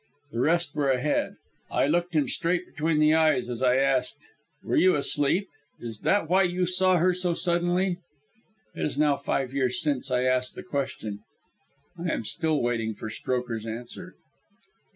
The rest were ahead. I looked him straight between the eyes as I asked: "Were you asleep? Is that why you saw her so suddenly?" It is now five years since I asked the question. I am still waiting for Strokher's answer.